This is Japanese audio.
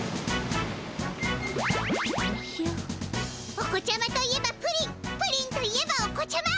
お子ちゃまといえばプリンプリンといえばお子ちゃま！